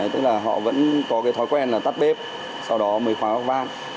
tức là họ vẫn có cái thói quen là tắt bếp sau đó mới khóa góc vang